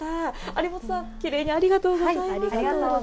有本さん、きれいにありがとうございます。